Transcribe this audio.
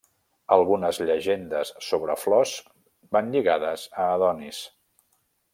Algunes llegendes sobre flors van lligades a Adonis.